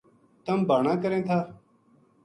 تم بہانا کریں تھا